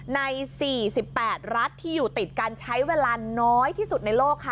ใน๔๘รัฐที่อยู่ติดกันใช้เวลาน้อยที่สุดในโลกค่ะ